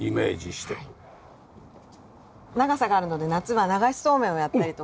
長さがあるので夏は流しそうめんをやったりとか。